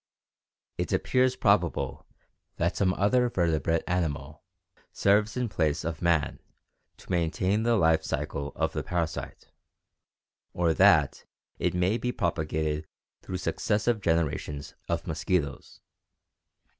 It appears probable that some other vertebrate animal serves in place of man to maintain the life cycle of the parasite, or that it may be propagated through successive generations of mosquitoes.